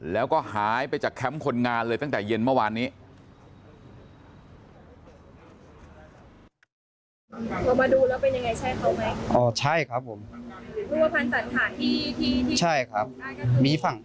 แล้วก็หายไปจากแคมป์คนงานเลยตั้งแต่เย็นเมื่อวานนี้